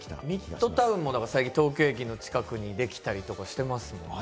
ミッドタウンも東京駅の近くにできたりしてますもんね。